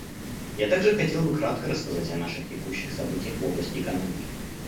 Я также хотел бы кратко рассказать о наших текущих событиях в области экономики.